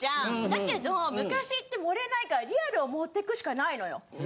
だけど昔って盛れないからリアルを盛ってくしかないのよ。